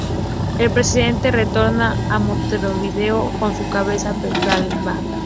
El Presidente retorna a Montevideo con su cabeza vendada.